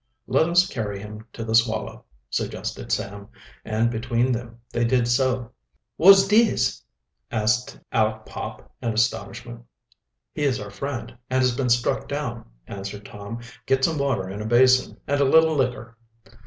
"Let us carry him to the Swallow," suggested Sam, and between them they did so. "Wot's dis?" asked Aleck Pop, in astonishment. "He is our friend, and has been struck down," answered Tom. "Get some water in a basin, and a little liquor."